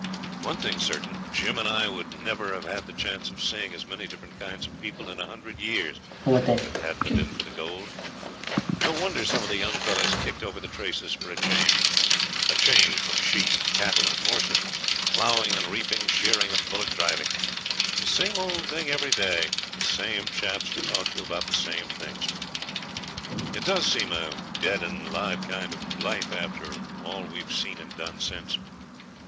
One thing's certain; Jim and I would never have had the chance of seeing as many different kinds of people in a hundred years if it hadn't been for the gold. No wonder some of the young fellows kicked over the traces for a change a change from sheep, cattle, and horses, ploughing and reaping, shearing and bullock driving; the same old thing every day; the same chaps to talk to about the same things. It does seem a dead and live kind of life after all we've seen and done since.